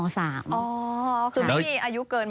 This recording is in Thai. แต่พี่อายุเกินม๓